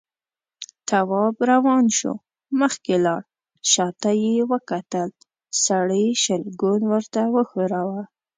تواب روان شو، مخکې لاړ، شاته يې وکتل، سړي شلګون ورته وښوراوه.